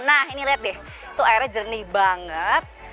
nah ini lihat deh itu airnya jernih banget